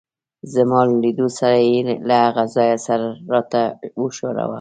زما له لیدو سره يې له هغه ځایه سر راته وښوراوه.